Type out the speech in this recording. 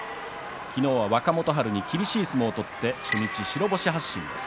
昨日は若元春に厳しい相撲を取って白星発進です。